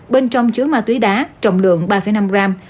bên trong chứa ma túy đá trọng lượng ba năm gram